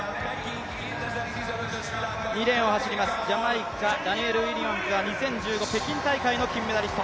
２レーンを走ります、ジャマイカ、ダニエル・ウィリアムズは２０１５、北京大会の金メダリスト。